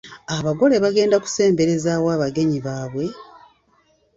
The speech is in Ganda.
Abagole bagenda kusembereza wa abagenyi baabwe ?